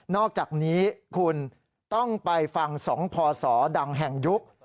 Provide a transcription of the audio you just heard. อกจากนี้คุณต้องไปฟัง๒พศดังแห่งยุค